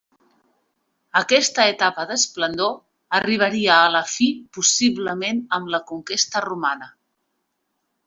Aquesta etapa d'esplendor arribaria a la fi possiblement amb la conquesta romana.